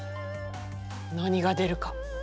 何が出るか。